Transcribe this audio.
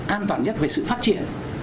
an toàn nhất về sự phát triển